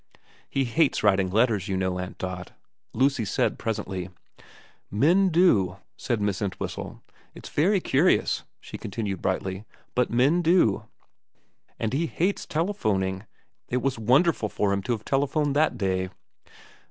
' He hates writing letters, you know, Aunt Dot,' Lucy said presently. ' Men do,' said Miss Entwhistle. ' It's very curious,' she continued brightly, ' but men do.' VERA 325 * And lie hates telephoning. It was wonderful for him to have telephoned that day.'